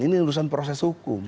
ini urusan proses hukum